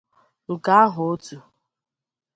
nke ahụ otu